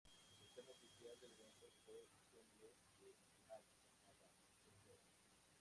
El tema oficial del evento fue ""Jungle"" de X Ambassadors.